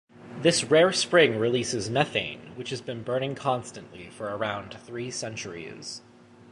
This rare spring releases methane, which has been burning constantly for around three centuries.